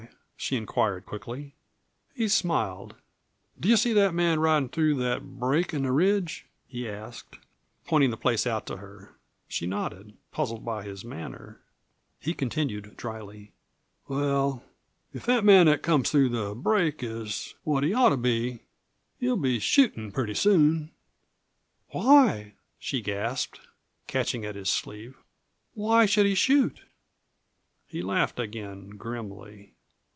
she inquired quickly. He smiled. "Do you see that man ridin' through that break on the ridge?" he asked, pointing the place out to her. She nodded, puzzled by his manner. He continued dryly. "Well, if that man that's comin' through the break is what he ought to be he'll be shootin' pretty soon." "Why?" she gasped, catching at his sleeve, "why should he shoot?" He laughed again grimly.